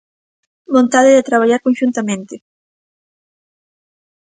Vontade de traballar conxuntamente.